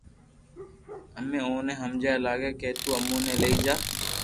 امي اوني ھمجا لاگيا ڪي تو امو ني لئي جا